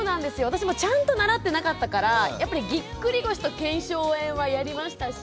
私もちゃんと習ってなかったからやっぱりぎっくり腰と腱鞘炎はやりましたし。